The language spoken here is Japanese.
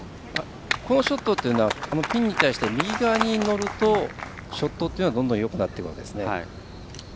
このショットというのはピンに対して右側に乗るとショットというのはよくなってきます。